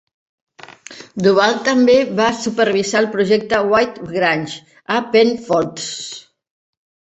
Duval també va supervisar el projecte "White Grange" a Penfolds.